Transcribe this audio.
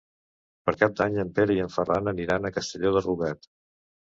Per Cap d'Any en Pere i en Ferran aniran a Castelló de Rugat.